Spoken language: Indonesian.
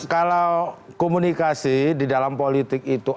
kalau komunikasi di dalam politik itu